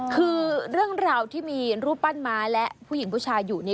คือเรื่องราวที่มีรูปปั้นไม้และผู้หญิงผู้ชายอยู่